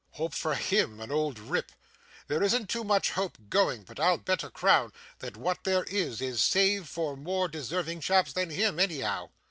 Hope for HIM, an old rip! There isn't too much hope going, but I'll bet a crown that what there is, is saved for more deserving chaps than him, anyhow.